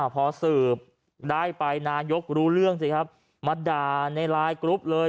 พอสืบได้ไปนายกรู้เรื่องสิครับมาด่าในไลน์กรุ๊ปเลย